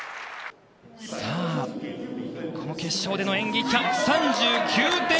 さぁ、この決勝での演技、１３９．６０！